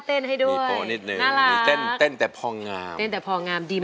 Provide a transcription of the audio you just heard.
เต้นแต่พองาม